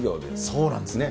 そうなんですね。